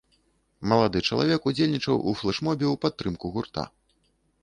Малады чалавек удзельнічаў у флэшмобе ў падтрымку гурта.